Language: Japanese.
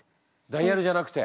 ダイヤルじゃなくて？